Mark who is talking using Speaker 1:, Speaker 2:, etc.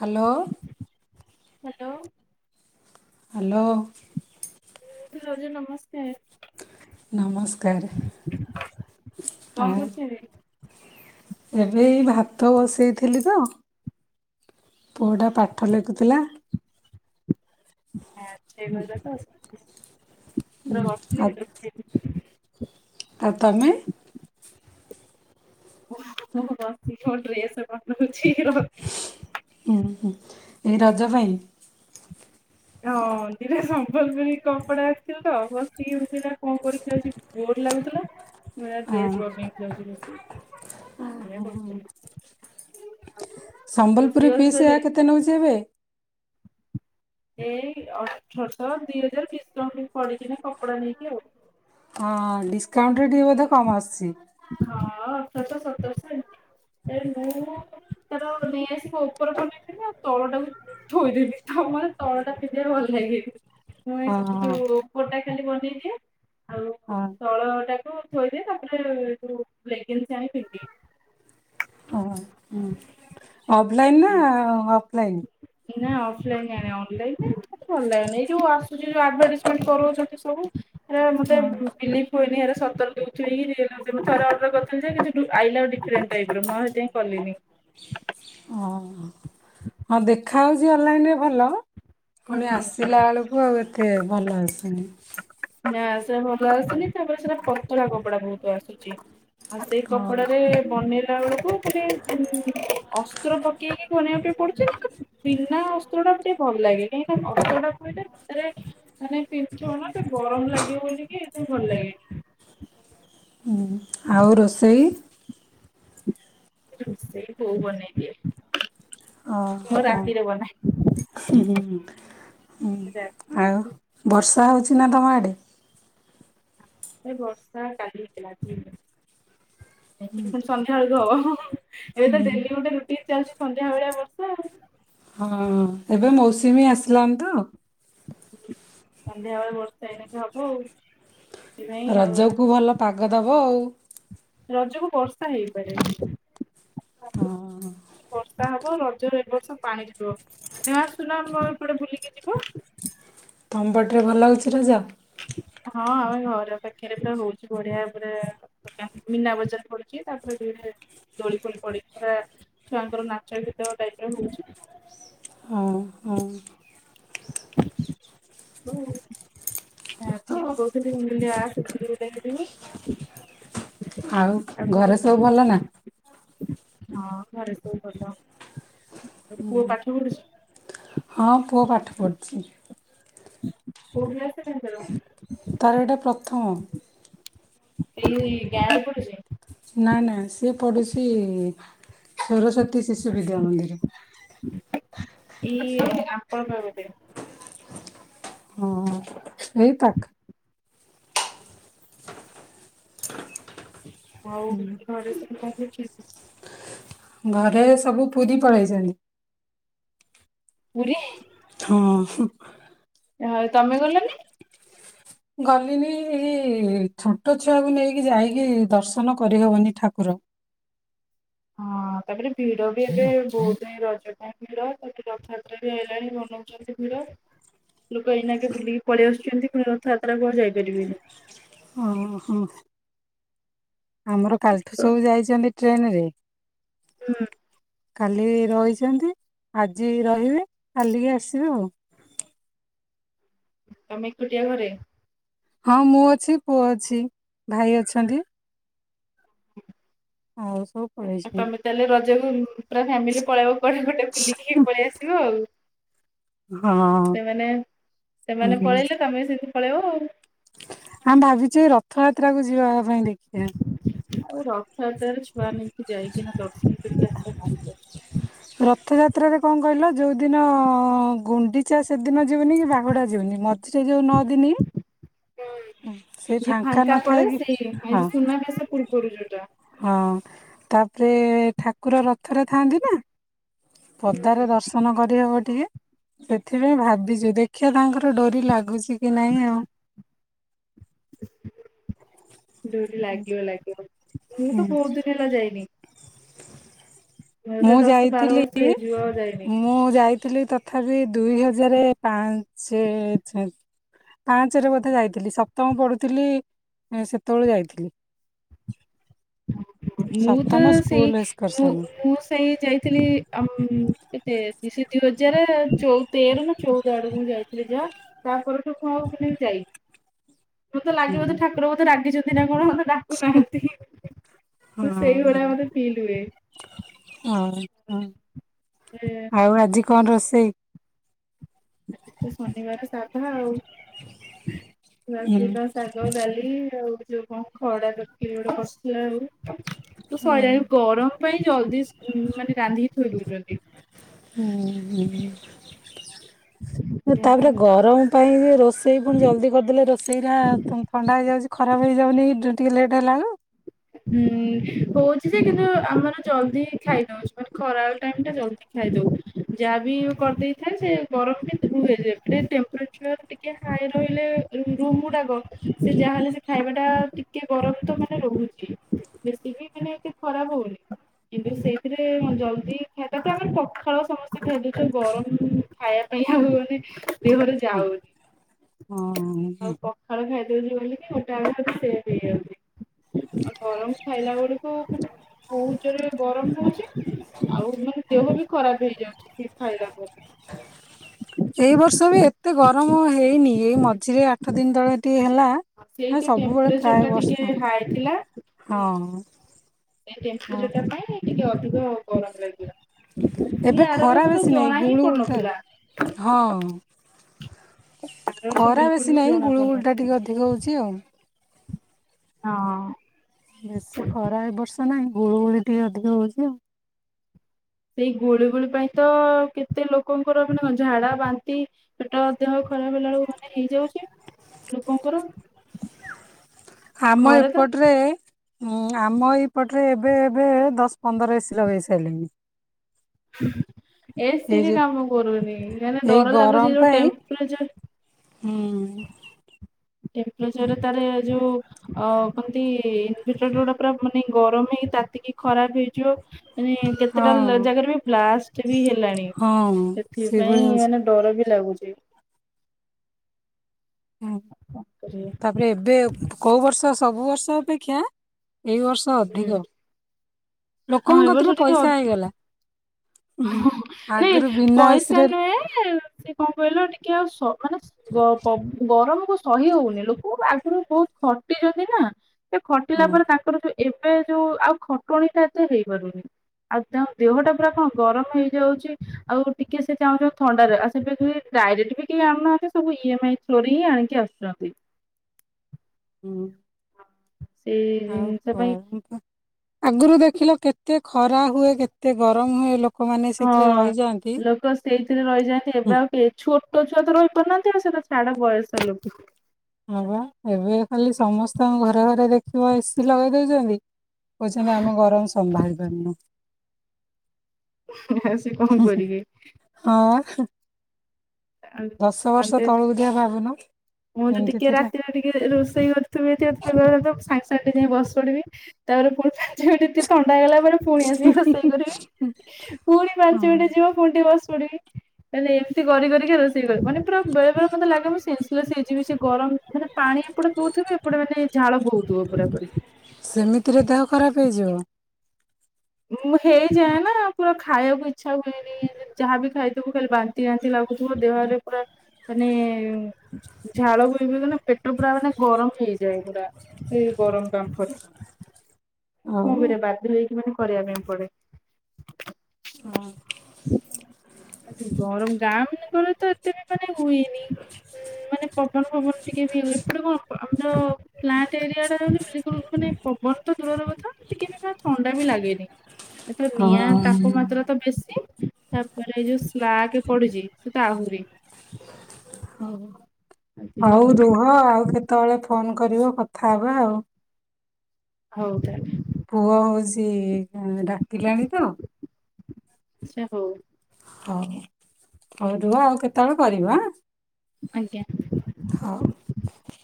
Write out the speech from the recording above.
Speaker 1: Hello.
Speaker 2: Hello.
Speaker 1: Hello.
Speaker 2: ର ନମସ୍
Speaker 1: ନମସ୍କାର
Speaker 2: କଣ
Speaker 1: ଆଉ
Speaker 2: କରୁଛନ୍ତି?
Speaker 1: ଏବେ ଏଇ ଭାତ ବସେଇଥିଲି ତ ପୁଅଟା ପାଠ ଲେଖୁଥିଲା
Speaker 2: [unintelligible]
Speaker 1: ଉଁ
Speaker 2: ବସିଥିଲି
Speaker 1: ଆଉତ୍
Speaker 2: ଉଠେଇଲି
Speaker 1: ଆଉ ତମେ
Speaker 2: ମୁଁ ବସିକି ମୋ ଡ୍ରେଶ୍ [unintelligible]
Speaker 1: ଉଁ ହୁଁ ଏଇ ରଜ ପାଇଁ?
Speaker 2: ହଁ। ଦି ଟା ସମ୍ବଲପୁରୀ କପଡା ଆସିଥିଲା ତ ବସିକି [unintelligible] ବୋର୍ ଲାଗୁଥିଲା ମୁଁ କହିଲି ଯାଉଚି ଡ୍ରେସ୍ ବନେଇବି। ବସି ବସି ଏୟା କରୁଥିଲି ଆଉ
Speaker 1: ସମ୍ବଲପୁରୀ
Speaker 2: ରୋଷେଇ ବାସ
Speaker 1: ପିଶ୍ ୟା
Speaker 2: ସଇଲାଣି
Speaker 1: କେତେ ନେଉଛି ଏବେ?
Speaker 2: ଏଇ ଅଠରଶହ ଦିଇ ହଜାର ଡିଶ୍କାଉଣ୍ଟ ପଡିକିନା କପଡ଼ା ନେଇକି ଆଉ।
Speaker 1: ହଁ ଡିଶ୍କାଉଣ୍ଟରେ ଟିକଏ ବୋଧେ କମ୍ ଆସୁଛି?
Speaker 2: ହଁ ଅଠରଶ ସତରଶ ଏମତି ଏ ମୁଁ ମୋର ନେଇ ଆସିବ ଉପର କନା ଥିଲା ଆଉ ତଳୁ ତଳ ଟାକୁ ଥୋଇଦେଲି ତ ମତେ ତଳ ଟା ପିନ୍ଧିବାକୁ ଭଲ ଲାଗେନି। ମୁଁ ଏ
Speaker 1: ହଁ
Speaker 2: ସେଠି
Speaker 1: ହଁ
Speaker 2: ଯୋଉ ଉପରଟା ଖାଲି ବନେଇଦିଏ ଆଉ
Speaker 1: ହଁ
Speaker 2: ତଳ ଟାକୁ [unintelligible]
Speaker 1: ହଁ ହଁ ଅଫଲାଇନ୍ ନା ଅଫ୍ଲାଇନ୍?
Speaker 2: ନାଇଁ ଅଫ୍ଲାଇନ୍ ଆଣେ ଅନ୍ଲାଇନ୍ ରେ ମତେ ଭଲ ଲାଗେନା ଏ ଯଉ ଆସ୍ ଆସୁଛି ଯୋଉ ଆଡଭାଟାଇଜ୍ମେଣ୍ଟ କରଉଛନ୍ତି ସବୁ ସେଉରା ମତେ
Speaker 1: ହଁ
Speaker 2: ବିଲିଭ୍ ହୁଏନି ଏ ସତର ଦଉଥିବେ କି [unintelligible] ଥରେ ଅର୍ଡର କରିଥିଲି ଯେ କିଛି ଆଇଲା ଡିଫରେଣ୍ଟ ଟାଇପ ର ଆଉ ସେ ପାଇଁ କଲିନି।
Speaker 1: ଓ ହଁ ଦେଖାହଉଛି ଅନ୍ଲାଇନ୍ ରେ ଭଲ ପୁଣି
Speaker 2: ହୁଁ।
Speaker 1: ଆସିଲା ବେଳକୁ ଆଉ ଏତେ ଭଲ ଆସେନି।
Speaker 2: ନା ସେ ଭଲ ଆସେନି ତାପରେ ସେଟା ପତଳା କପଡା ବହୁତ ଆସୁଛି। ଆଉ ସେଇ
Speaker 1: ହଁ
Speaker 2: କପଡ଼ାରେ ବନେଇଲା ବେଳକୁ ତାପରେ ଅସ୍ତ୍ର ପକେଇକି ବନେଇବା ପାଇଁ ପଡୁଛି କିନ୍ତୁ ବିନା ଅସ୍ତ୍ର ଟା ଟିକେ ଭଲ ଲାଗେ କାହିଁକି ନା ଅସ୍ତ୍ରଟା ପକେଇଲେ ଏପଟେ ଭିତରେ ମାନେ ପିନ୍ଧିଥିବ ନା ଗରମ ଲାଗିବ ବୋଲିକି ସେଥିପାଇଁ ଭଲ ଲାଗେନି।
Speaker 1: ହୁଁ ଆଉ ରୋଷେଇ?
Speaker 2: ରୋଷେଇ ବୋଉ ବନେଇଦିଏ ମୁଁ ରାତିରେ ବନାଏ।
Speaker 1: ହୁଁ ହୁଁ
Speaker 2: ରାତି
Speaker 1: ଆଉ ବର୍ଷା ହଉଛି ନା ତମ ଆଡ଼େ?
Speaker 2: ଏ ବର୍ଷା କାଲି ହେଇଥିଲା ପୁଣି ସନ୍ଧ୍ୟାବେଳକୁ ହବ ହୁଁ ହୁଁ ହୁଁ। ଏବେ ତ ଡେଲି ଗୋଟେ ରୁଟିନ୍ ଚାଲିଛି ସନ୍ଧ୍ୟା ଭଳିଆ ବର୍ଷା ଆଉ।
Speaker 1: ହଁ ଏବେ ମୌସୁମୀ ଆସିଲାଣି ତ
Speaker 2: ସନ୍ଧ୍ୟା ବେଳେ ବର୍ଷା ଏଇନାକେ ହବ ଆଉ ସେଥିପାଇଁ ଆଉ
Speaker 1: ରଜକୁ ଭଲ ପାଗ ଦବ ଆଉ।
Speaker 2: ରଜ କୁ ବର୍ଷା ହେଇପାରେ।
Speaker 1: ହଁ ହଁ।
Speaker 2: ବର୍ଷା ହବ ରଜରେ ଏ ବର୍ଷ ପାଣିରେ ଯିବ ତମେ ଆସୁନା ଆମ ଏପଟେ ବୁଲିକି ଯିବ।
Speaker 1: ତମ ପଟରେ ଭଲ ହଉଛି ରଜ?
Speaker 2: ହଁ ଆମ ଘର ପାଖରେ ତ ହଉଛି ବଢ଼ିଆ ପୁରା ମୀନା ବଜାର ପଡ଼ୁଛି [unintelligible] ଦୋଳି ଫୋଳି ପଡ଼ିକି ପୁରା ଛୁଆଙ୍କର ନାଚ ଗୀତ ଟାଇପ୍ ରେ ହଉଛି।
Speaker 1: ହଁ ହଁ।
Speaker 2: ହ [inaudible] ଆଜି
Speaker 1: ତ-
Speaker 2: କଉଥିଲି ମୁଣ୍ଡୁଲି ଆସେ ବୁଲିବୁଲା କି ଯିବୁ।
Speaker 1: ଆଉ ଘରେ ସବୁ ଭଲ ନା?
Speaker 2: ହଁ ଘରେ ସବୁ ଭଲ।
Speaker 1: ହଁ ପୁଅ ପାଠ ପଢ଼ୁଛି।
Speaker 2: କୋଉ କ୍ଲାସ ରେ? ତାଙ୍କର?
Speaker 1: ତାର ଏଇଟା ପ୍ର ତମ [inaudible]
Speaker 2: ଏଇ [inaudible] ପଡୁଛି
Speaker 1: ନା ନା ସିଏ ପଡ଼ୁଛି ସରସ୍ଵତୀ ଶିଶୁ ବିଦ୍ୟା ମନ୍ଦିର।
Speaker 2: ଏଇ ଆପଣ କିବଧ [inaudible]
Speaker 1: ହଁ। ସଇ ପାକ [inaudible]
Speaker 2: ହଉ ଘରେ ସବୁ କଣ କୁଚି?
Speaker 1: ଘରେ ସବୁ ପୁରୀ ପଳେଇଚନି।
Speaker 2: ପୁରୀ?
Speaker 1: ହଁ।
Speaker 2: ଆଉ ତମେ ଗଲନି?
Speaker 1: ଗଲିନି ଏଇ ଛୋଟ ଛୁଆକୁ ନେଇକି ଯାଇକି ଦର୍ଶନ କରିହବନି ଠାକୁର।
Speaker 2: ହଁ ତାପରେ ଭିଡ ବି ଏବେ ବହୁତ୍ ହିଁ ରଜ ପାଇଁ। ଭିଡ ତାକୁ ରଥଯାତ୍ରା ବି ଆଇଲାଣି ବନଉଚନ୍ତି ଭିଡ। ଲୋକ ଏଇନାକେ ବୁଲିକି ପଳେଇ ଆସୁଛନ୍ତି ପୁଣି ରଥଯାତ୍ରା କୁ ଆଉ ଯାଇ ପାରିବେନି।
Speaker 1: ହଁ ହଁ। ଆମର କାଲିଠୁ
Speaker 2: ତ।
Speaker 1: ସବୁ ଯାଇଚନ୍ତି ଟ୍ରେନ୍ ରେ।
Speaker 2: ହୁଁ।
Speaker 1: କାଲି ରହିଚନ୍ତି ଆଜି ରହିବେ କାଲିକି ଆସିବେ ଆଉ।
Speaker 2: ତମେ ଏକୁଟିଆ ଘରେ?
Speaker 1: ହଁ ମୁଁ ଅଛି ପୁଅ ଅଛି ଭାଇ ଅଛନ୍ତି।
Speaker 2: ହ [inaudible]
Speaker 1: ଆଉ ସବୁ ପଳେଇଛ
Speaker 2: ତାଲେ ରଜକୁ ପୁରା ଫ୍ୟାମିଲି ପଳେଇବ କୁଆଡେ ଗୋଟେ ବୁଲିକି ପଳେଇ ଆସିବ ଆଉ।
Speaker 1: ହଁ।
Speaker 2: ସେମାନେ ସେମାନେ ପଳେଇଲେ ତମେ ସେମିତି ପଳେଇବ ଉ।
Speaker 1: ଆଁ ଭାବିଚି ରଥଯାତ୍ରା କୁ ଯିବା ପାଇଁ ଦେ
Speaker 2: ଆଉ ରଥଯାତ୍ରାରେ ଛୁଆ ନେଇକି ଯାଇକି ନା ଦର୍ଶନ କରିକି ଆସିବା ଭାରି କଷ୍ଟ।
Speaker 1: ରଥଯାତ୍ରାରେ କଣ କହିଲ ଯୋଉଦିନ ଗୁଣ୍ଡିଚା ସେଦିନ ଯିବନି କି ବାହୁଡ଼ା ଯିବନି ମ ଝିରେ ଯୋଉ ନଅ ଦିନି ସେ ଫାଙ୍କା ନଥାଏ କି ହଁ
Speaker 2: ହଁ।
Speaker 1: ହଁ ତାପରେ ଥାକୁର ରଥରେ ଥାଆନ୍ତି ନା ପଦାରେ
Speaker 2: ହୁଁ
Speaker 1: ଦର୍ଶନ କରିହବ ଟିକେ ସେଥିପାଇଁ ଭାବିଚୁ ଦେଖିଆ ତାଙ୍କର ଡୋରି ଲାଗୁଛି କି ନାଇଁ ଆଉ।
Speaker 2: ଡୋରି ଲାଗିବ ଲାଗିବ।
Speaker 1: ହୁଁ ମୁଁ
Speaker 2: ମୋର ଦଶ ବାର ବର୍ଷ
Speaker 1: ଯାଇଥିଲି
Speaker 2: ହେଇଯିବ ଯାଇନି।
Speaker 1: ମୁଁ ଯାଇ ଥିଲି ତଥାପି ଦୁଇ ହଜାରେ ପାଞ୍ଚେ ଚାରି। ପାଞ୍ଚେରେ ବୋଧେ ଯାଇଥିଲି ସପ୍ତମ ପଢୁଥିଲି ସେତବେଳେ ଯାଇଥିଲି।
Speaker 2: ମୁଁ ତ
Speaker 1: ସପ୍ତମ
Speaker 2: ସେଇ,
Speaker 1: ସ୍କୁଲ
Speaker 2: ପୁ
Speaker 1: ଏକ୍ସକର୍ସନ
Speaker 2: ପୁସ୍ ସେଇ ଯାଇଥିଲି ଆ କେତେ, ସେ ଦୁଇ ହଜାର ଚଉ ତେର ନା ଚଉଦ ଆଡକୁ ଯାଇଥିଲି। ଯା, ତା ପରଠୁ ମୁଁ ଆଉ ମାନେ ଯାଇନି। ମତେ ଲାଗେ
Speaker 1: ହୁଁ
Speaker 2: ବୋଧେ ଠାକୁର ବୋଧେ ରାଗିଚନ୍ତି ନା କଣ? ମତେ ଡାକୁନାହାନ୍ତି। ତ ସେଇଭଳିଆ ମତେ ଫିଲ୍ ହୁଏ।
Speaker 1: ହଁ ହୁଁ,
Speaker 2: ଏ
Speaker 1: ଆଉ ଆଜି କଣ ରୋଷେଇ?
Speaker 2: ଆଜି ତ ଶନିବାର ସାଧା ଆଉ, [unintelligible] ଶାଗ, ଡାଲି ଆଉ ଯୋଉ କଣ ଖଡା ତରକାରୀ ଗୋଟେ କରିଥିଲା ଆଉ। ତ
Speaker 1: ହୁଁ
Speaker 2: ସଇଲାଣି, ଗରମ ପାଇଁ ଜଲଦି ଉ ମାନେ ରାନ୍ଧିକି ଥୋଇ ଦଉଚନ୍ତି।
Speaker 1: ହୁଁ ହୁଁ,
Speaker 2: ଯାହା
Speaker 1: ତାପରେ
Speaker 2: ହଉ
Speaker 1: ଗରମ ପାଇଁ ଏ ରୋ ରୋଷେଇ ପୁଣି ଜଲ୍ଦି କରିଦେଲେ, ରୋଷେଇ ଟା ଥଣ୍ଡା ହେଇଯାଉଛି ଖରାପ ହେଇଯାଉନି ଟିକେ ଲେଟ୍ ହେଲାଏଳୁ।
Speaker 2: ହୁଁ, ହଉଚି ଯେ କିନ୍ତୁ ଆମର ଜଲଦି ଖାଇନଉଚୁ, ମାନେ ଖରା ଟାଇମ୍ ଟା ଜଲଦି ଖାଇଦଉ, ଯାହା ବି କରିଦେଇଥାଏ, ସେ ଗରଫ ବି [unintelligible] ହେଇଯାଏ, [unintelligible] ଟେମ୍ପରେଚର ଟି ଟିକେ ହାଇ ରହିଲେ ରୁମ ଗୁଡାକ, ସେ ଯାହାହେଲେ ସେ ଖାଇବା ଟା ଟିକେ ଗରମ ତ ମାନେ ରହୁଚି ବେଶୀ ବି ମାନେ ଏତେ ଖରାପ ହଉନି। କିନ୍ତୁ ସେଇଥିରେ ଜଲଦି ଖାଇ, ତା ପରେ ଆମର ପଖାଳ ସମସ୍ତେ ଖାଇଦଉଛୁ, ଗରମ ଖାଇବା ପାଇଁ ଆଉ ଏମିତି ଦେହରେ ଯାଉନି, ଆଉ
Speaker 1: ହଁ।
Speaker 2: ପ ଖାଳ ଖାଇଦଉଚି ବୋଲିକି, ମୋଟାମୋଟି ସେଭ୍ ହେଇଯାଉଚି। ଗରମ ଖାଇଲା ବେଳକୁ ମାନେ ବୋହୁତ ଯୋରେ ଗରମ ହଉଚି, ଆଉ ମାନେ ଦେହ ବି ଖରାପ ହେଇଯାଉଚି, ସେ ଖାଇଲା ପରେ।
Speaker 1: ଏଇ ବର୍ଷ ବି ଏତେ ଗରମ ହେଇନି, ଏଇ ମଝିରେ ଆଠ ଦିନ ତଳେ ଟିକେ ହେଲା
Speaker 2: ସେଇ
Speaker 1: ନା
Speaker 2: ଟା
Speaker 1: ସବୁବେଳେ
Speaker 2: ଟେମ୍ପରେଚର
Speaker 1: ପ୍ରାୟ
Speaker 2: ଟା
Speaker 1: ବର୍ଷା
Speaker 2: ଟିକେ ହାଏ ଥିଲା।
Speaker 1: ହଁ
Speaker 2: ଉଁ
Speaker 1: ଅଁ।
Speaker 2: ସେଇ ଟେମ୍ପରଚରଟା ପାଇଁ ଟିକେ ଅଧିକ ଗରମ ଲାଗିଲା। ହେଲେ
Speaker 1: ଏବେ
Speaker 2: ଆର
Speaker 1: ଖରା
Speaker 2: ବର୍ଷ ତ
Speaker 1: ବେଶୀ ନାହିଁ,
Speaker 2: ଜଣା ହିଁ
Speaker 1: ଗୁଳୁ ଗୁଳିଟା
Speaker 2: ପଡୁନଥିଲା
Speaker 1: ହଁ।
Speaker 2: ଆର ବର୍ଷ
Speaker 1: ଖରା
Speaker 2: ବିଲକୁଲ
Speaker 1: ବେଶୀ
Speaker 2: ବି
Speaker 1: ନାହିଁ,
Speaker 2: ଜଣା
Speaker 1: ଗୁଳୁ ଗୁଳଟା
Speaker 2: ପଡୁନଥିଲା।
Speaker 1: ଟିକି ଅଧିକ ହେଉଚି ଆଉ।
Speaker 2: ହଁ।
Speaker 1: ବେଶୀ ଖରା ଏ ବର୍ଷ ନାହିଁ, ଗୁଳୁ ଗୁଳି ଟିକେ ଅଧିକ ହଉଚି ଆଉ।
Speaker 2: ସେଇ ଗୁଳି ଗୋଳି ପାଇଁ ତ, କେତେ ଲୋକଙ୍କର ମାନେ ଝାଡା, ବାନ୍ତି, ପେଟ, ଦେହ ଖରା ବୁଲା ବଳୁ ମାନେ ହେଇଯାଉଚି, ଲୋକଙ୍କର।
Speaker 1: ଆମ
Speaker 2: ଘରେ ତ
Speaker 1: ଏପଟରେ ହୁଁ, ଆମ ଏଇପଟରେ ଏବେ ଏବେ ଦଶ ପନ୍ଦର ଏସିି ଲଗେଇ ସାଇଲେଣି।
Speaker 2: ଏ
Speaker 1: ଏଇ
Speaker 2: ସି ବି
Speaker 1: ଯୋଉ
Speaker 2: କାମ କରୁନି, କାଇଁନା
Speaker 1: ଏଇ
Speaker 2: ଡର
Speaker 1: ଗରମ
Speaker 2: ଲାଗୁଚି ଯୋଉ
Speaker 1: ପାଇଁ
Speaker 2: ଟେମ୍ପରଚର
Speaker 1: ହୁଁ ଉଁ।
Speaker 2: ଟେମ୍ପରେଚରେ ତାରେ ଯୋଉ ଆ କଣତି, ଇନଭଟର୍ ଗ ଗୁଡା ପୁରା ମାନେ ଗରମ ହେଇକି, ତାତିକି ଖରାପ ହେଇଯିବ। ମାନେ କେତେଟା
Speaker 1: ହଁ
Speaker 2: ଜାଗାରେ ବି ବ୍ଲାଷ୍ଟ ବି ହେଲାଣି,
Speaker 1: ହଁ
Speaker 2: ସେଥିପାଇଁ
Speaker 1: ସେଇଭଳିଆ ହଉଛି
Speaker 2: ମାନେ ଡର ବି ଲାଗୁଚି।
Speaker 1: ହୁଁ।
Speaker 2: ଆ ତାପରେ
Speaker 1: ତାପରେ ଏବେ, କୋଉ ବର୍ଷ ସବୁ ବର୍ଷ ଅପେକ୍ଷା ଏଇ ବର୍ଷ ତ
Speaker 2: ହୁଁ
Speaker 1: ଅଧିକ,
Speaker 2: ହଁ
Speaker 1: ଲୋକଙ୍କ
Speaker 2: ଏ ବର୍ଷ
Speaker 1: କତିରେ
Speaker 2: ଟିକେ ଅଧିକ
Speaker 1: ପଇସା ହେଇଗଲା। ଉଁ ହୁଁ,
Speaker 2: ହଁ, ନାଇଁ
Speaker 1: ଆଗରୁ ବିନା ଏ
Speaker 2: ପଇସା
Speaker 1: ସି ରେ
Speaker 2: ନୁହେଁ ସେ କଣ କହିଲ ଟିକେ ଆଉ ସ ମାନେ ସ ଗ ଗ ଗରମ କୁ ସହି ହଉନି, ଲୋକ ଆଗରୁ ବହୁତ ଖଟିଚନ୍ତି ନା? ସେ ଖଟିଲା
Speaker 1: ହଁ
Speaker 2: ପରେ ତାଙ୍କର ଯୋ ଏବେ ଯୋଉ ଆଉ ଖଟଣିଟା ଏତେ ହେଇପାରୁନି। ଆଉ ତାଙ୍କ ଦେହଟା ପୁରା କଣ ଗରମ ହେଇଯାଉଛି। ଆଉ ଟିକେ ସେ ଚାହୁଁଛ ଥଣ୍ଡାରେ ଆ ସେ ଡାଇରେକ୍ଟ ବି କେହି ଆଣୁନାହାନ୍ତି ସବୁ ଇ ଏମ ଆଇ ଥ୍ରୋରେ ହିଁ ଆଣିକି ଆସୁଛନ୍ତି।
Speaker 1: ହୁଁ।
Speaker 2: ସେଇ
Speaker 1: ଆଉ
Speaker 2: ଜିନିଷ ପାଇଁ
Speaker 1: କଣ? ଆଗରୁ ଦେଖିଲ କେତେ ଖରା ହୁଏ, କେତେ ଗରମ ହୁଏ, ଲୋକ ଲୋକମାନେ
Speaker 2: ହଁ।
Speaker 1: ସେଥିରେ ରହିଯାଆନ୍ତି।
Speaker 2: ଲୋକ ସେଇଥିରେ ରହିଯାନ୍ତି। ଏବେ ଆଉ କେ ଛୋଟ ଛୁଆ ତ ରହିପାରୁନାହାନ୍ତି ଆଉ ସେଇଟା ଛାଡ ବୟସ ଲୋକ।
Speaker 1: ହ ବା ଏବେ ଖାଲି ସମସ୍ତଙ୍କୁ ଘରେ ଘରେ ଦେଖିବ ଏସିି ଲଗେଇ ଦଉଛନ୍ତି। କହୁଛନ୍ତି ଆମେ ଗରମ ସମ୍ଭାଳିପାରୁନୁ।
Speaker 2: ସେ କଣ କରିବେ?
Speaker 1: ହଁ।
Speaker 2: ଆଉ
Speaker 1: ବା ଦଶ ବର୍ଷ
Speaker 2: ମତେ
Speaker 1: ତଳକୁ ଯା ଭାବୁନ
Speaker 2: ମୁଁ ତ
Speaker 1: କେମିତି
Speaker 2: ଟିକେ
Speaker 1: ଥିଲା।
Speaker 2: ରାତିରେ ଟିକେ ରୋଷେଇ ଘରେ ତୁମେ ଏ [unintelligible] ସାଙ୍ଗେ ସାଙ୍ଗ ଯାଇକି ବସି ପଡିବି ତାପରେ ପୁଣି ପାଞ୍ଚ ମିନଟ ଟିକେ ଥଣ୍ଡା ହେଇଗଲା ପରେ ପୁଣି ଆସିକି ରୋଷେଇ କରିବି। ପୁଣି ପାଞ୍ଚ
Speaker 1: ହଁ।
Speaker 2: ମିନିଟ ଯିବ ପୁଣି ଟିକେ ବସି ପଡ଼ିବି। ତାହାଲେ ଏମିତି କରି, କରି କରି ରୋଷେଇ କରେ। ମାନେ ପୁରା ବେଳେ ବେଳେ ମତେ ଲାଗ ମୁଁ ସେନ୍ସେଲେସ୍ ହେଇଯିବି ସେ ଗରମ ମାନେ ପାଣି ଏପଟେ ପିଉଥିବି, ଏପଟେ ମାନେ ଝାଳ ବହୁଥିବ ପୁରାପୁରି।
Speaker 1: ସେମିତିରେ ଦେହ ଖରାପ ହେଇଯିବ।
Speaker 2: ମୁଁ ହେଇଯାଏ ନା ପୁରା ଖାଇବାକୁ ଇଚ୍ଛା ହୁଏନି, ଯାହା ବିି ଖାଇଥିବୁ ଖାଲି ବାନ୍ତି ବାନ୍ତି ଲାଗୁଥିବ। ଦେହରେ ପୁରା ମାନେ ଝାଳ ବୋହି [unintelligible] ନା ପେଟ ପୁରା ମାନେ ଗରମ ହେଇଯାଏ ପୁରା ସେ ଗରମ ବାମ୍ଫରେ, କଣ
Speaker 1: ଆଉ
Speaker 2: କରିବା ବାଧ୍ୟ ହେଇକି ମାନେ କରିବା ପାଇଁ ପଡେ।
Speaker 1: ହଁ।
Speaker 2: ଗରମ। ଗାଁମାନଙ୍କରେ ତ ଏତେ ବି ମାନେ ହୁଏନି, ମାନେ ପବନ, ପବନ ଟିକେ ହୁଏ। ଏପଟେ କଣ ଆମର ଫ୍ଲାଟ ଏରିଆ ବିଲକୁଲ ମାନେ ପବନ ତ ଦୂର କଥା ଟିକେ ବି ଥଣ୍ଡା ବି ଲାଗେନି। ଏଥର ନିଆଁ
Speaker 1: ହଁ।
Speaker 2: ତାପମାତ୍ରା ତ ବେଶୀ ତାପରେ ଯୋଉ ସ୍ଲାଗ ପଡୁଛି ସେ ତ ଆହୁରି,
Speaker 1: ହ ଆଉ
Speaker 2: ଅଧିକ
Speaker 1: ରୁହ, ଆଉ କେତେବେଳେ ଫୋନ କରିବ କଥା ହବା ଆଉ?
Speaker 2: ହଉ ତାହେଲେ।
Speaker 1: ପୁଅ ହଉଛି ଡାକିଲାଣି ତ,
Speaker 2: ଆଚ୍ଛା ହଉ।
Speaker 1: ହଉ, ହଉ ରୁହ ଆଉ କେତେବେଳେ କରିବ ଆଁ?
Speaker 2: ଆଜ୍ଞା।
Speaker 1: ହଉ।